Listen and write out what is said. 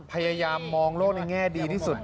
พยายามมองโลกในแง่ดีที่สุด